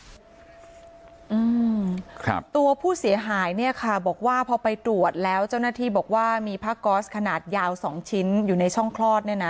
อืมครับตัวผู้เสียหายเนี่ยค่ะบอกว่าพอไปตรวจแล้วเจ้าหน้าที่บอกว่ามีผ้าก๊อสขนาดยาวสองชิ้นอยู่ในช่องคลอดเนี่ยนะ